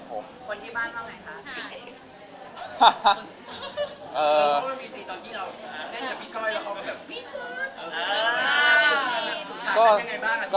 คนที่บ้านว่าไงคะ